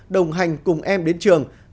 đồng hành cùng em đến trường